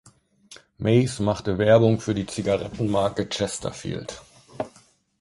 Mays machte Werbung für die Zigarettenmarke Chesterfield.